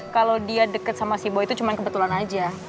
kalau dia deket sama si bo itu cuma kebetulan aja